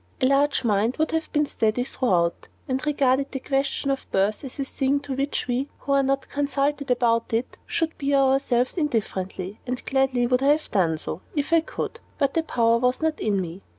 A large mind would have been steady throughout, and regarded the question of birth as a thing to which we, who are not consulted about it, should bear ourselves indifferently. And gladly would I have done so, if I could, but the power was not in me.